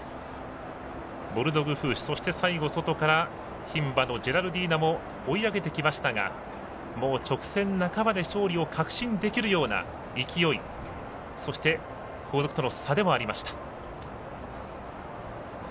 ボルドグフーシュそして最後、外から牝馬のジェンティルドンナも追い上げてきましたが直線半ばで勝利を確信できるようなそして後続との差でもありました。